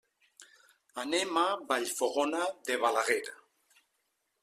Anem a Vallfogona de Balaguer.